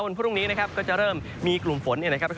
พรุ่งนี้นะครับก็จะเริ่มมีกลุ่มฝนเนี่ยนะครับ